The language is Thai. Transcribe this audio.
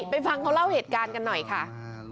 ฟังเขาเล่าเหตุการณ์กันหน่อยค่ะ